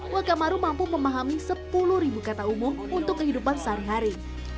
wakamaru mampu memahami sepuluh ribu kata umum untuk kehidupan sehari hari